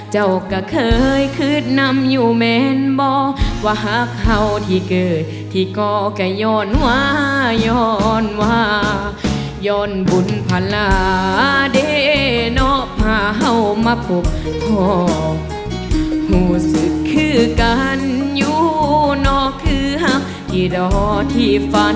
ภาระภาหักให้ฮักเข้าคือเก่าทุกวัน